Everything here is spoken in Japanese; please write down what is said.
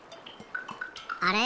あれ？